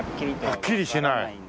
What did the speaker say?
はっきりしない。